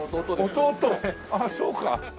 弟あっそうか。